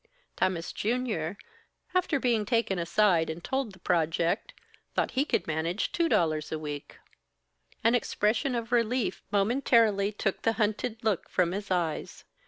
Tammas Junior, after being taken aside and told the project, thought he could manage two dollars a week. An expression of relief momentarily took the hunted look from his eyes.